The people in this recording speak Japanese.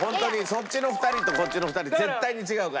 そっちの２人とこっちの２人絶対に違うから。